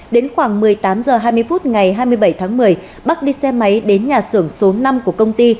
đến khoảng một mươi tám h hai mươi phút ngày hai mươi bảy tháng một mươi bắc đi xe máy đến nhà xưởng số năm của công ty